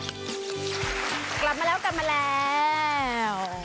กลับมาแล้วกลับมาแล้ว